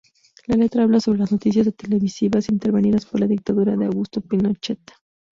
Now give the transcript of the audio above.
La letra habla sobre las noticias televisivas intervenidas por la dictadura de Augusto Pinochet.